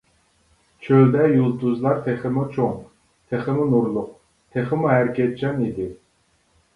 چۆلدە يۇلتۇزلار تېخىمۇ چوڭ، تېخىمۇ نۇرلۇق، تېخىمۇ ھەرىكەتچان ئىدى.